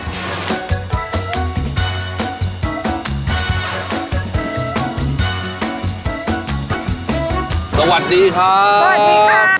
สวัสดีครับสวัสดีครับ